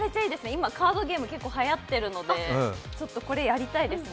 今、カードゲーム結構はやってるのでこれ、やりたいですね。